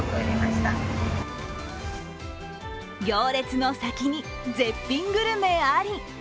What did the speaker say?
行列の先に絶品グルメあり。